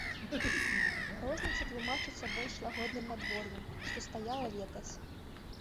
Розніца тлумачыцца больш лагодным надвор'ем, што стаяла летась.